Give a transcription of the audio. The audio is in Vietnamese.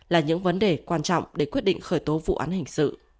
là những vấn đề quan trọng để quyết định khởi tố vụ án hình sự